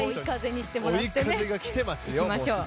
追い風がきていますよ。